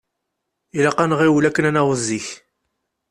Ilaq ad nɣiwel akken ad naweḍ zik.